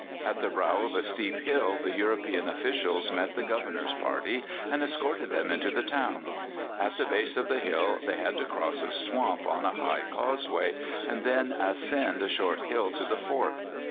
At the brow of a steep hill the European officials met the Governor's party, and escorted them into the town. At the base of the hill they had to cross a swamp on a high causeway, and then ascend a shorter hill to the fort.